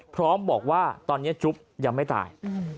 พร้อมบอกว่าตอนนี้จุ๊บยังไม่ตาย